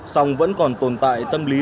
xong vẫn còn tồn tại tâm lý